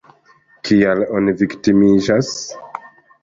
Kial oni viktimiĝas?